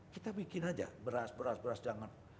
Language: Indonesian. kita bikin aja beras beras beras jangan